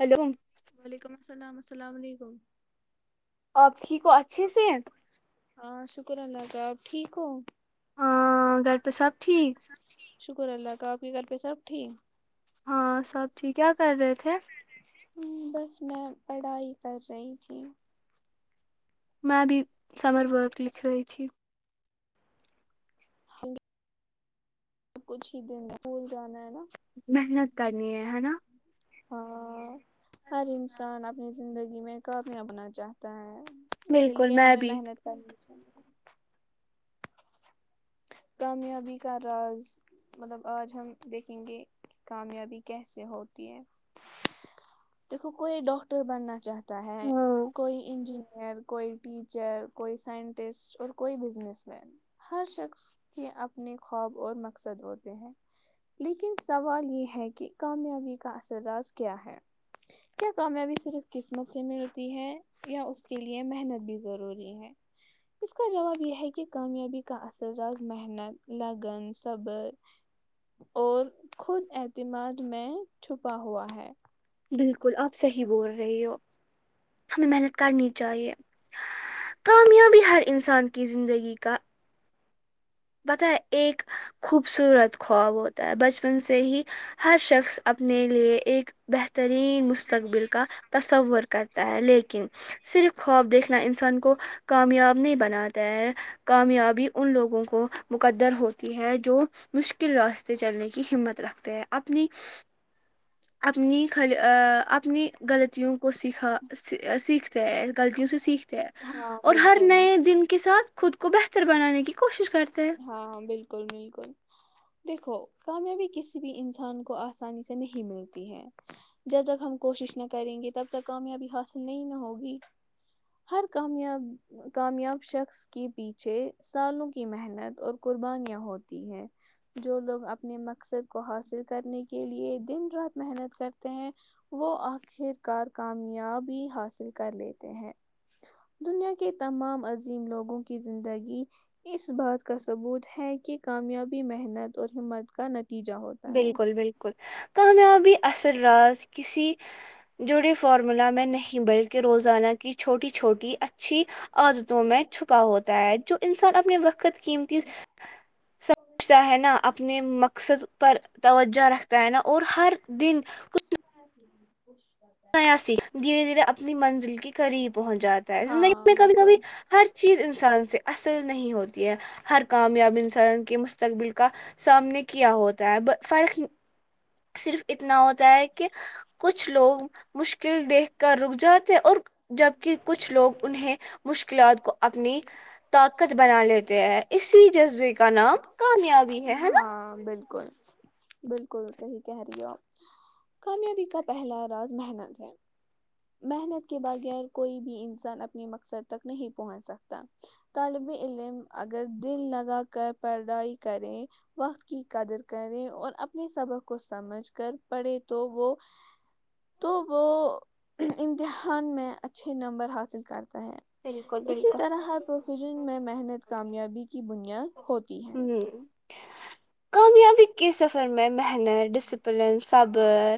hello وعلیکم السلام السلام علیکم آپ تھیک ہو اچھے سے ہیں ہاں شکر اللہ کا آپ ٹھیک ہوں گر پے سب ٹھیک شکر ہے اللہ کا آپ کے گھر پے سب ٹھیک ہاں سب ٹھیک کیا کر رہے تھے ہمم بس میں پڑھائی کر رہی تھی میں ابھی سمر ورک لکھ رہی تھی ہم نے کچھ ہی دن میں سکول جانا ہے نا محنت کرنی ہے ہے نا ہاں ہر انسان اب زندگی میں کامیاب ہونا چاہتا ہے اسی بالکل لیے میں ہمیں بھی محنت کرنی چاہیے کامیابی کا راز مطلب آج ہم دیکھیں گے کامیابی کیسے ہوتی ہے دیکھو کوئی ڈاکٹر بننا چاہتا ہے ہاں کوئی انجینئر کوئی ٹیچ چر کوئی سائنٹسٹ اور کوئی بزنس مین ہر شخص کہ اپنے خواب اور مقصد ہوتے ہیں لیکن سوال یہ ہے کہ کامیابی کا اصل راز کیا ہے کیا کامیابی صرف قسمت سے ملتی ہے یا اس کے لیے محنت بھی ضروری ہے اس کا جواب یے ہے کی کامیابی کا اصل راز محنت لگن سب اور خود اعتماد میں چھپا ہوا ہے بالکل آپ صحیح بول رہی ہو ہمیں محنت کرنی چاہیے کامیابی ہر انسان کی زندگی کا پتہ ہے ایک خوبصورت خواب ہوتا ہے بچپن سے ہی ہر شخص اپنے لیے ایک بہترین مستقبل کا تصور کرتا ہے لیکن صرف خواب دیکھنا انسان کو کامیاب نہیں بناتا ہے کامیابی ان لوگوں کو مقدر ہوتی ہے جو مشکل راستے چلنے کی ہمت رکھتے ہیں اپنی اپنی غلطی آآ اپنی غلطیوں کو سیکھا سیکھتے ہے غلطیوں سے سیکھتے ہیں ہاں اور ہر بالکل نئے دن کے ساتھ خود کو بہتر بنانے کی کوشش کرتے ہیں ہاں ہاں بالکل بالکل دیکھو کامیابی کسی بھی انسان کو آسانی سے نہیں ملتی ہے جب تک ہم کوشش نہ کریں گے تب تک کامیابی حاصل نہیں نہ ہوگی ہر کامیاب کامیاب شخص کے پیچھے سالوں کی محنت اور قربانیاں ہوتی ہیں جو لوگ اپنے مقصد کو حاصل کرنے کے لیے دن رات محنت کرتے ہیں وہ آخر کار کامیابی حاصل کر لیتے ہیں دنیا کے تمام عظیم لوگوں کی زندگی اس بات کا ثبوت ہے کہ کامیابی محنت اور ہمت کا نتیجہ ہوتی بالکل بالکل کامیابی اصل راز کسی جڑے فارمولا میں نہیں بلکہ روزانہ کی چھوٹی چھوٹی اچھی عادتوں میں چھپا ہوتا ہے جو انسان اپنے وقت قیمتی سمجھتا ہے نا اپنے مقصد پر توجہ رکھتا ہے نا اور ہر دن کچھ [unintelligible] نیا سیکھ دھیرے دھیرے اپنی منزل کے قریب پہنچ جاتا ہے زندگی ہاں میں کبھی کبھی بالکل ہر چیز انسان سے اصل نہیں ہوتی ہے ہر کامیاب انسان کے مستقبل کا سامنے کیا ہوتا ہے اب فرق صرف اتنا ہوتا ہے کہ کچھ لوگ مشکل دیکھ کر رک جاتے اور جب کے کچھ لوگ انہیں مشکلات کو اپنی طاقت بنا لیتے ہیں اسی جذبے کا نام کامیابی ہے ہے نا ہاں بالکل بالکل صحیح کہہ رہی ہو کامیابی کا پہلا راز محنت ہے محنت کے بغیر کوئی بھی انسان اپنے مقصد تک نہیں پہنچ سکتا طالب علم اگر دل لگا کر پڑھائی کریں وقت کی قدر کریں اور اپنے سبق کو سمجھ کر پڑھے تو وہ تو وہ امتحان میں اچھے نمبر حاصل کرتا ہے بالکل اسی بالکل طرح ہر پروفیشن میں محنت کامیابی کی بنیاد ہوتی ہے ہوں کامیابی کے سفر میں محنت ڈسیپلن صبر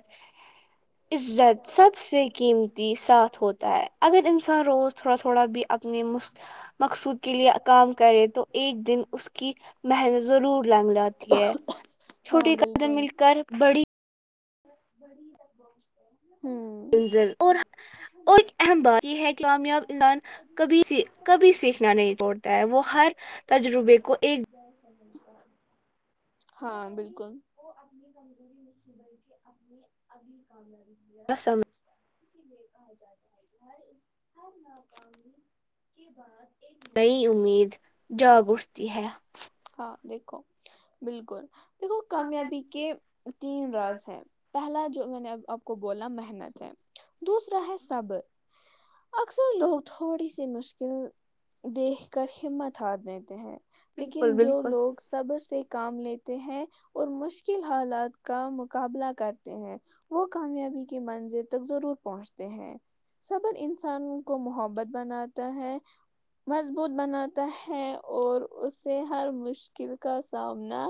عزت سب سے قیمتی ساتھ ہوتا ہے اگر انسان روز تھوڑا تھوڑا بھی اپنی مست مقصود کے لیے کام کرے تو ایک دن اس کی محنت ضرور رنگ لاتی ہاں چھوٹی قد مل کر بڑی بڑی بدمعاش ہے منزر اور اور ایک اہم بات یہ ہے کہ کامیاب انسان کبھی کبھی سیکھنا نہیں توڑتا ہے وہ ہر تجربے کو ایک ہاں بالکل اپنی اگلی کامیابی لیے سمجھ سمجتا اس لیے کہا جاتا ہے کہ ہر ہر ناکامی کے بعد نئی امید جاگ اٹھتی ہے ہاں دیکھو بالکل دیکھو کامیابی کے تین راز ہیں پہلا جو میں نے آپ کو بولا محنت ہے دوسرا ہے سب اکثر لوگ تھوڑی سی مشکل دیکھ کر ہمت ہار دیتے ہیں بالکل لیکن جو بالکل لوگ صبر سے کام لیتے ہیں اور مشکل حالات کا مقابلہ کرتے ہیں وہ کامیابی کے منزل تک ضرور پہنچتے ہیں صبر انسان کو محبت بناتا ہے مضبوط بناتا ہے اور اسے ہر مشکل کا سامنا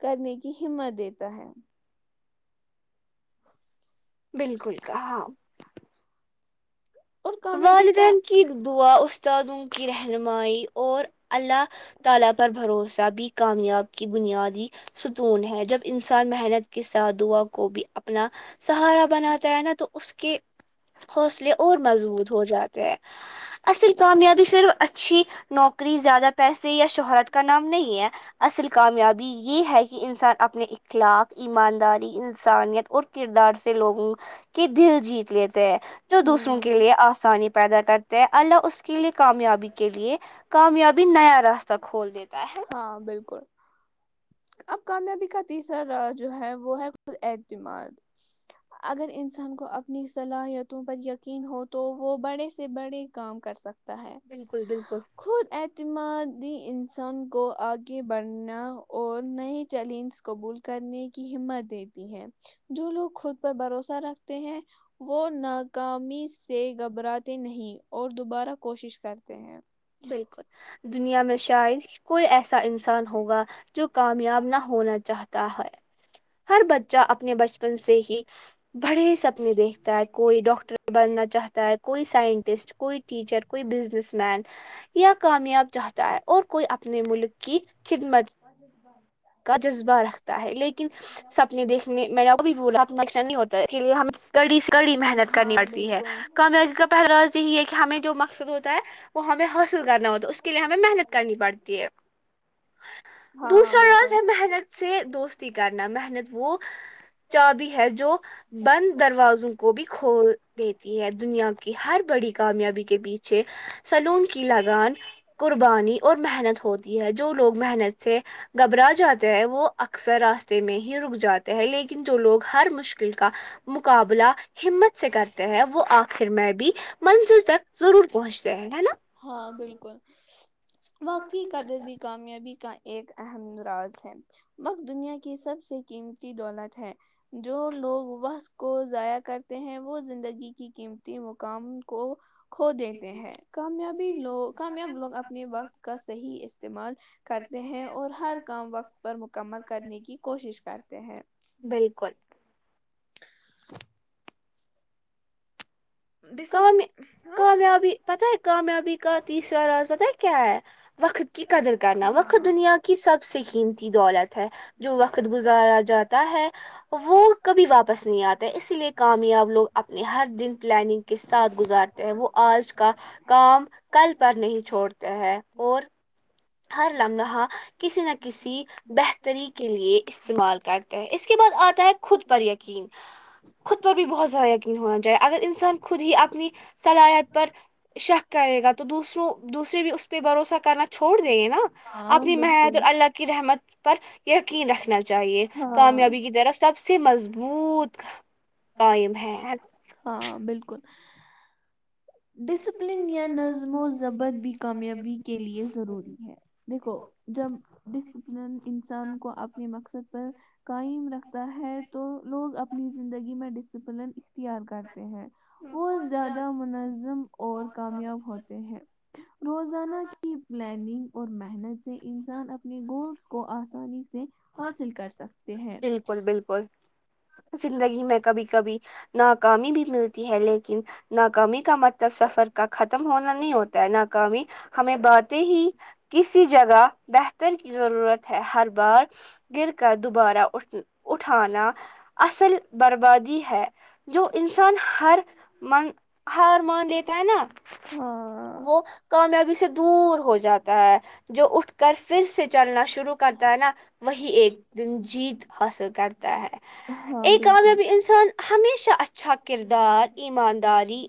کرنے کی ہمت دیتا ہے بالکل کہ اور کامیابی کا والدین کی دعا استادوں کی رہنمائی اور اللہ تعالی پر بھروسہ بھی کامیاب کی بنیادی ستون ہے جب انسان محنت کے ساتھ دعا کو بھی اپنا سہارا بناتا ہے نا تو اس کے حوصلے اور مضبوط ہو جاتے ہیں اصل کامیابی صرف اچھی نوکری زیادہ پیسے یا شہرت کا نام نہیں ہے اصل کامیابی یہ ہے کہ انسان اپنے اخلاق ایمانداری انسانیت اور کردار سے لوگوں کے دل جیت لیتے ہیں جو دوسروں کے ہوں لیے اس آسانی پیدا کرتے ہیں اللہ اس کے لیے کامیابی کے لیے کامیابی نیا راست ہ کھول دیتا ہے ہاں بالکل اب کامیابی کا تیسرا راز جو ہے وہ ہے خود اعتماد اگر انسان کو اپنی صلاحیتوں پر یقین ہو تو وہ بڑے سے بڑے کام کر سکتے تا ہے بالکل بالکل خود ایت اعتمادی انسان کو آگے بڑھنا اور نئے چیلنج قبول کرنے کی ہمت دیتی ہے جو لوگ خود پر بھروسہ رکھتے ہیں وہ ناکامی سے گھبراتے نہیں اور دوبارہ کوشش کرتے ہیں بالکل دنیا میں شاید کوئی ایسا انسان ہوگا جو کامیاب نہ ہونا چاہتا ہے ہر بچہ اپنے بچپن سے ہی بڑے سپنے دیکھتا ہے کوئی ڈاکٹر بننا چھات کوئی سائنٹسٹ کوئی ٹیچر کوںی بزنس مین یا کامیاب چاہتا ہے اور کوئی اپنے ملک کی خدمت [unintelligible] بت بار کا جذبہ رکھتا ہے لیکن سپنے دیکھنے میں وہ بھی بلانا نقشا نہیں ہوتا ہے اس لیے ہم کڑی سے کڑی محنت کرنی ہاں پڑتی ہے بالکل کامیابی کا پہلا راض یہی ہے کہ ہمیں جو مقصد ہوتا ہے وہ ہمیں حاصل کرنا ہوتا ہے اس کے لیے ہمیں محنت کرنی پڑتی تی ہے ہاں دوسرا راز بالکل ہے محنت سے دوستی کرنا محنت وہ چا بی ہے جو بند دروازوں کو بھی کھول دیتی ہے دنیا کو ہر بڑی کامیابی کے پیچھے سلون کی لگان قربانی اور محنت ہوتی ہے جو لوگ محنت سے گھبرا جاتے ہے وہ اکثر راستے میں ہی رک جاتے ہے لیکن جو لوگ ہر مشکل کا مقابلہ ہمت سے کرتے ہیں وہ آخر میں بھی منزل تک ضرور پہنچتے ہیں ہے نا ہاں بالکل واقعی قدر بھی کامیابی کا ایک اہم راز ہے وقت دنیا کی سب سے قیمتی دولت ہے جو لوگ وقت کو ضائع کرتے ہیں وہ زندگی کی قیمتی مقام کو کھو دیتے ہیں کامیابی لوگ کامیاب لوگ اپنے وقت کا صحیح استعمال کرتے ہیں اور ہر کام وقت پر مکمل کرنے کی کوشش کرتے ہیں بالکل کام کامیابی پتا ہے کامیابی کا تیسرا راز پتہ ہے کیا ہے وقت کی قدر کرنا وقت دنیا کی سب سے قیمتی دولت ہے جو وقت گزارا جاتا ہے وہ کبھی واپس نہیں آتا اسی لیے کامیاب لوگ اپنے ہر دن پلاننگ کے ساتھ گزارتے ہیں وہ آج کا کام کل پر نہیں چھوڑتے ہیں اور ہر لمحہ کسی نہ کسی بہتری کے لیے استعمال کرتے ہیں اس کے بعد آتا ہے خود پر یقین خود پر بھی بہت زیادہ یقین ہونا چاہے اگر انسان خود ہی اپنی صلاحیت پر شک کرے گا تو دوسروں دوسرے بھی اس پہ بھروسہ کرنا چھوڑ دینگے نا ہاں اپنی محنت بالکل اور اللہ کی رحمت پر یقین رکھنا چاہیے ہاں کامیابی کی طرف سب سے مضبوط قائم ہے ہاں بالکل ڈسپلن یا نظم و ضبط بھی کامیابی کے لئے ضروری ہے دیکھو جب ڈسپلن انسان کو اپنے مقصد پر قائم رکھتا ہے تو لوگ اپنی زندگی میں ڈسپلن اختیار کرتے ہیں وہ زیادہ منظم اور کامیاب ہوتے ہیں روزانہ کی پلاننگ اور محنت سے انسان اپنے گولس کو آسانی سے حاصل کر سکتے ہیں بالکل بالکل زندگی میں کبھی کبھی ناکامی بھی ملتی ہے لیکن ناکامی کا مطلب سفر کا ختم ہونا نہیں ہوتا ہے ناکامی ہمیں باتیں ہی کسی جگہ بہتر کی ضرورت ہے ہر بار گر کر دوبارہ اٹھ اٹھانا اصل بربادی ہے جو انسان ہر من ہر مان دیتا ہے نا ہاں وہ کامیابی سے دور ہو جاتا ہے جو اٹھ کر پھر سے چلنا شروع کرتا ہے نا وہی ایک جیت حاصل کرتا ہے ہاں ایک بالکل کامیابی انسان ہمیشہ اچھا کردار ایمانداری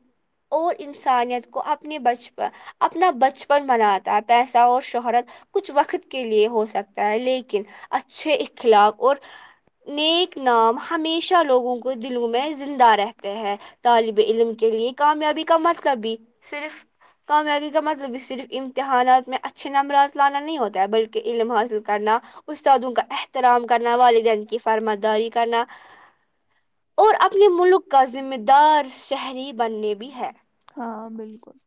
اور انسانیت کو اپنے بچپن اپنا بچپن بناتا ہے پیسہ اور شہرت کچھ وقت کے لئے ہو سکتا ہے لیکن اچھے اخلاق اور نیک نام ہمیشہ لوگوں کو دلوں میں زندہ رہتے ہیں طالب علم کے لیے کامیابی کا مطلب بھی صرف کامیابی کا مطلب بھی صرف امتحانات میں اچھے نمبرات لانا نہیں ہوتا ہے بلکہ علم حاصل کرنا استادوں کا احترام کرنا والدین کی فرماری کرنا اور اپنے ملک کا ذمہ دار شہری بننے بھی ہے ہاں بالکل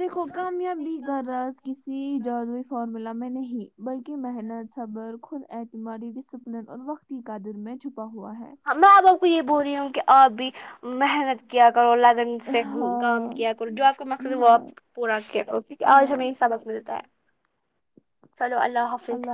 دیکھو کامیابی کا رااز کسی جادو فارمولا میں نہیں بلکی محنت صبر خود اعتمادی ڈسپلین اور وقت تی کا دل میں چھپا ہوا ہے میں آپ کو یے بول رہی ہوں کی آپ بھی محنت کیا کرو لگن سے کام ہاں کیا کرو جو آپ کا مقصد وہ ہاں آپ پورا [unintelligible] اوکے آج ہمیں ہاں یے سبق ملتا ہے چلو اللہ حافظ